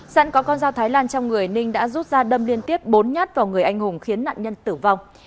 sẵn có con dao thái lan trong người ninh đã rút ra đâm liên tiếp bốn nhát vào người anh hùng khiến nạn nhân tử vong